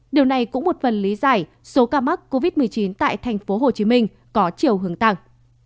điều này cũng một phần lý giải số ca mắc covid một mươi chín tại tp hcm có chiều hướng tăng